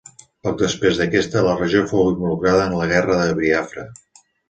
Poc després d'aquesta, la regió fou involucrada en la Guerra de Biafra.